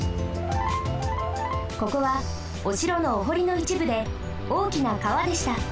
ここはおしろのおほりのいちぶでおおきなかわでした。